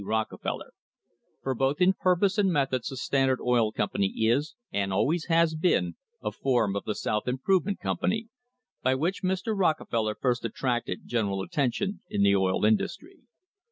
Rockefeller, for both in purpose and methods the Standard Oil Company is and always has been a form of the South Improvement Company, by which Mr. Rockefeller first attracted general attention in the oil industry.